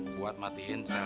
buat matiin sel sel kanker